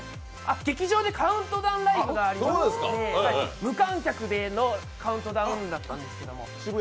劇場でカウントダウンライブがありまして、無観客でのカウントダウンだったんですけど。